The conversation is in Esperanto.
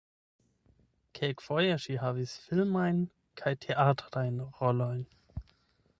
Kelkfoje ŝi havis filmajn kaj teatrajn rolojn.